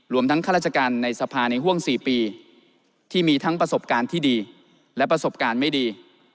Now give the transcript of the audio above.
รวมทั้งข้าราชการในสภาในห่วง๔ปีที่มีทั้งประสบการณ์ที่ดีและประสบการณ์ไม่ดี